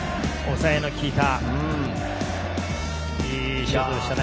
抑えの利いたいいシュートでしたね。